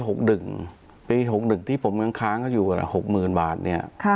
หกดึงปีหกดึงที่ผมกำค้างก็อยู่กันแหละหกหมื่นบาทเนี้ยค่ะ